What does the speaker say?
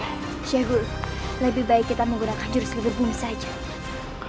seyegur lebih baik kita menggunakan jurus lega bumi saja